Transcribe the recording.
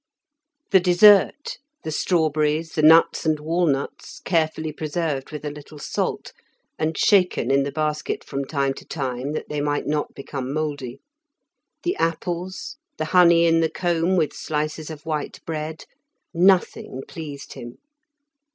The dessert, the strawberries, the nuts and walnuts, carefully preserved with a little salt, and shaken in the basket from time to time that they might not become mouldy, the apples, the honey in the comb with slices of white bread, nothing pleased him.